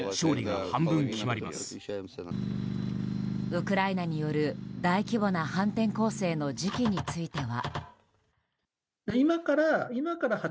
ウクライナによる大規模な反転攻勢の時期については。